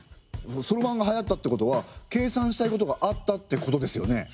そろばんがはやったってことは計算したいことがあったってことですよね？